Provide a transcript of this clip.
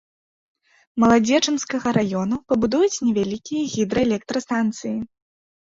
Маладзечанскага раёнаў пабудуюць невялікія гідраэлектрастанцыі.